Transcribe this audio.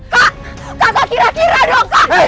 kak kakak kira kira dong kak